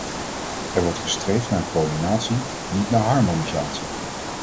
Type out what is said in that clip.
Er wordt gestreefd naar coördinatie, niet naar harmonisatie.